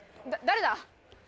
誰だ？